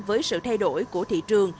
với sự thay đổi của thị trường